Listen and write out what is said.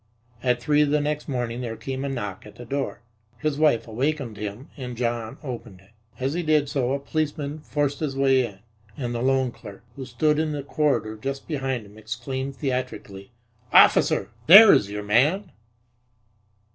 At three the next morning there came a knock at the door. His wife awakened him and John opened it. As he did so a policeman forced his way in, and the loan clerk, who stood in the corridor just behind him, exclaimed theatrically, "Officer, there is your man!"